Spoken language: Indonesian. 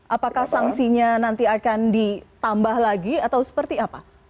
apakah sanksinya nanti akan ditambah lagi atau seperti apa